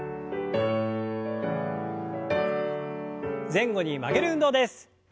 前後に曲げる運動です。